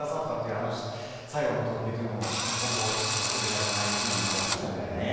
あの最後の投球も今後、忘れられないシーンになりましたね。